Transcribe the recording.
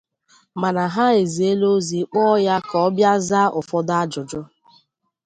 mana ha eziela ozi kpọọ ya ka ọ bịa zaa ụfọdụ ajụjụ